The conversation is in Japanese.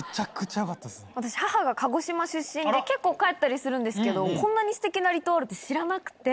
私母が鹿児島出身で結構帰ったりするんですけどこんなにステキな離島あるって知らなくて。